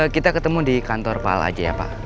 kita ketemu di kantor pak lajai pak